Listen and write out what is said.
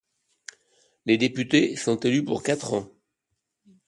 Les députés sont élus pour quatre ans.